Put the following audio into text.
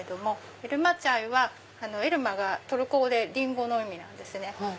エルマチャイは「エルマ」がトルコ語でリンゴの意味なんです。